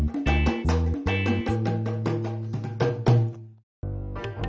bakar jalan balik bawahi